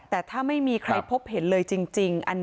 แต่ถ้าไม่มีใครพบเห็นเลยจริง